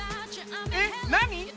えっ何？